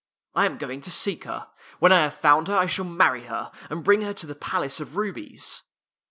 I am going to seek her. When I have found her I shall marry her, and bring her to the Palace of Rubies."